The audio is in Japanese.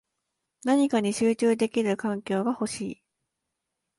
何かに集中できる環境が欲しい